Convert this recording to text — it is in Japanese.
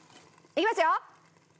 いきますよ！